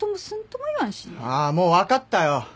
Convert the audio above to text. あーもう分かったよ。